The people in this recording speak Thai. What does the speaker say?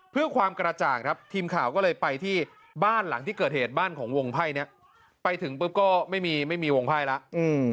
เพื่อความกระจ่างทีมข่าวก็ไปที่บ้านหลังที่เกิดเหตุก็ไม่มีวงภัยแล้ว